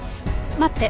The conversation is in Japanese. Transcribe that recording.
待って。